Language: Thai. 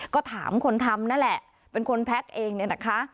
ก็ถามคนทำนั่นแหละเป็นคนแพ็คเองเนี่ยนะคะ